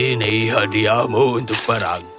ini hadiahmu untuk perang